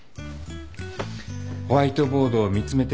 ホワイトボードを見詰めて。